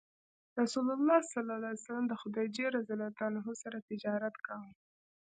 رسول الله ﷺ د خدیجې رض سره تجارت کاوه.